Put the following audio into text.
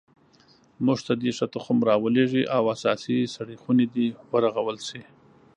موږ ته دې ښه تخم را ولیږي او اساسي سړې خونې دې ورغول شي